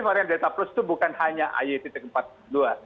varian delta plus itu bukan hanya ayu empat dua